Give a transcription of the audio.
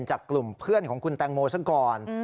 จากกลุ่มเพื่อนของคุณแตงโมซะก่อน